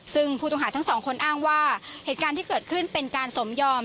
ซึ่งผู้ต้องหาทั้งสองคนอ้างว่าเหตุการณ์ที่เกิดขึ้นเป็นการสมยอม